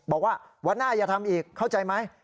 บอกว่าวันหน้าอย่าทำอีกเข้าใจไหม